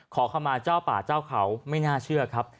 ขอเข้ามาเจ้าป่าเจ้าเขาไม่น่าเชื่อครับ